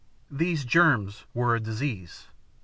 These germs were a disease.